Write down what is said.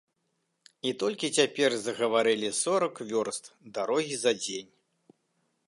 І толькі цяпер загаварылі сорак вёрст дарогі за дзень.